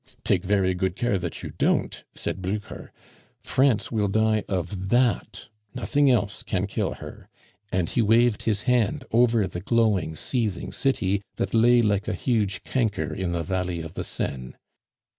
'Take very good care that you don't,' said Blucher. 'France will die of that, nothing else can kill her,' and he waved his hand over the glowing, seething city, that lay like a huge canker in the valley of the Seine.